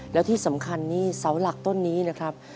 แล้วที่สำคัญนี่เสาหลักต้นนี้นะครับ